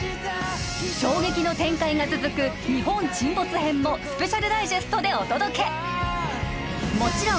衝撃の展開が続く日本沈没篇もスペシャルダイジェストでお届け